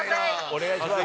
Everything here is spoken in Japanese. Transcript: ◆お願いします。